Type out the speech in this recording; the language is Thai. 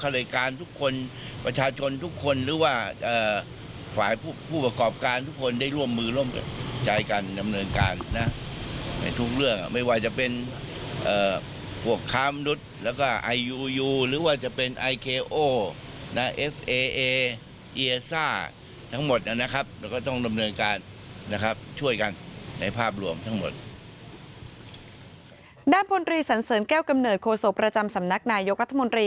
พลตรีสันเสริญแก้วกำเนิดโคโสประจำสำนักนายกรัฐมนตรี